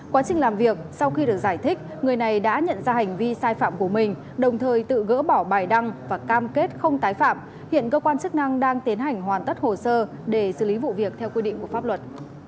quá trình làm việc sau khi được giải thích người này đã nhận ra hành vi sai phạm của mình đồng thời tự gỡ bỏ bài đăng và cam kết không tái phạm hiện cơ quan chức năng đang tiến hành hoàn tất hồ sơ để xử lý vụ việc theo quy định của pháp luật